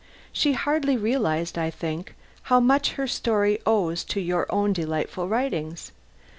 She hardly realized, I think, how much her story owes to your own delightful writings.